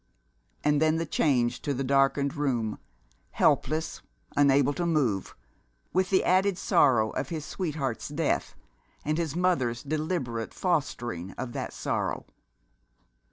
And then the change to the darkened room helpless, unable to move, with the added sorrow of his sweetheart's death, and his mother's deliberate fostering of that sorrow.